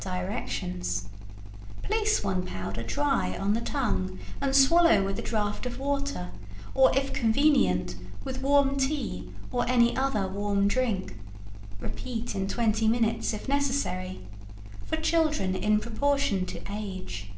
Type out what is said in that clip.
DIRECTIONS: Place one powder dry on the tongue and swallow with a draught of water, or, if convenient, with warm tea or any other warm drink. Repeat in twenty minutes if necessary. For children in proportion to age.